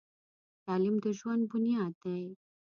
تعلیم د ژوند بنیاد دی.